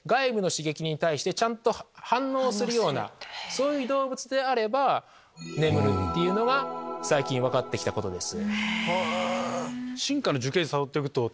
そういう動物であれば眠るっていうのが最近分かってきたことです。